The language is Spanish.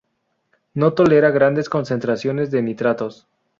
No tolera grandes concentraciones de nitratos.